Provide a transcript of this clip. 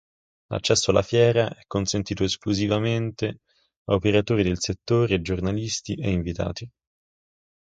L'accesso alla fiera è consentito esclusivamente a operatori del settore, giornalisti e invitati.